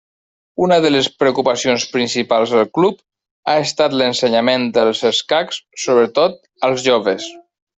Una de les preocupacions principals del Club ha estat l'ensenyament dels escacs, sobretot als joves.